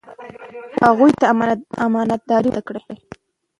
هغوی ته امانت داري ور زده کړئ.